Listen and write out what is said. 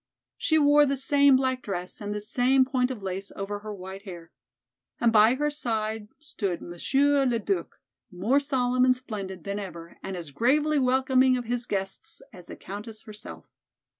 She wore the same black dress and the same point of lace over her white hair. And by her side stood Monsieur Le Duc, more solemn and splendid than ever and as gravely welcoming of his guests as the Countess herself.